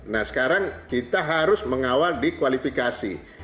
nah sekarang kita harus mengawal di kualifikasi